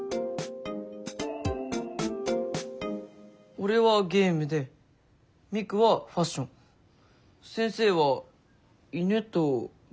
俺はゲームでミクはファッション先生は犬と文学。